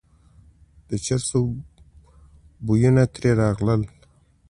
د چرسو بویونه ترې راغلل.